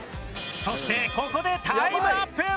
そしてここでタイムアップ！